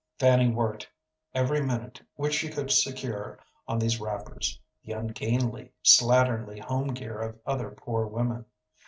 Fanny worked every minute which she could secure on these wrappers the ungainly, slatternly home gear of other poor women.